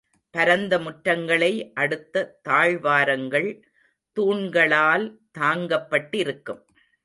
பரந்த முற்றங்களை அடுத்த தாழ்வாரங்கள் தூண்களால் தாங்கப்பட்டிருக்கும்.